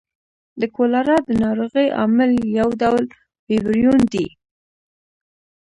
د کولرا د نارغۍ عامل یو ډول ویبریون دی.